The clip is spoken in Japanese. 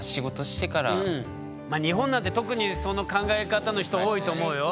まあ日本なんて特にその考え方の人多いと思うよ。